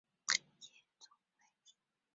目前同方部作为清华大学校友总会的所在处。